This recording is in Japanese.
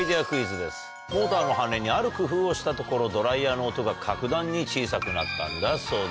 モーターの羽根にある工夫をしたところドライヤーの音が格段に小さくなったんだそうです。